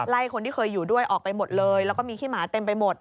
คนที่เคยอยู่ด้วยออกไปหมดเลยแล้วก็มีขี้หมาเต็มไปหมด